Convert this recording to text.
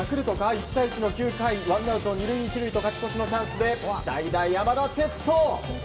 １対１の９回ワンアウト１塁２塁の勝ち越しのチャンスで代打、山田哲人。